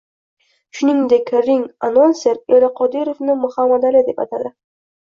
Shuningdek, ring-anonser Eli Qodirovni Muhammad Ali deb atadi